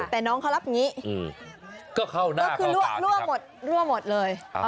แต่น้องเขารับนี้ก็เข้าหน้าเข้าตารั่วหมดเลย